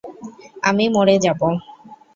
আমি মরে যাব।